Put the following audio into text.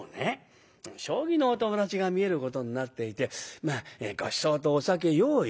将棋のお友達が見えることになっていてごちそうとお酒用意した。